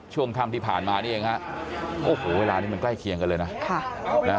ช่วงค่ำที่ผ่านมานี่เองฮะโอ้โหเวลานี้มันใกล้เคียงกันเลยนะ